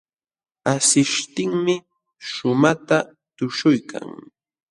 Asishtinmi shumaqta tuśhuykan.